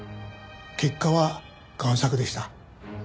結果は贋作でした。